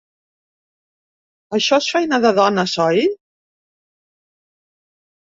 Això és feina de dones, oi?